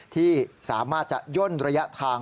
ที่สามารถจะย่นระยะทาง